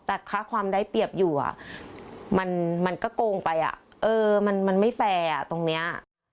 แต่ค่าความได้เปรียบอยู่มันก็โกงไปอ่ะเออมันไม่แฟร์ตรงนี้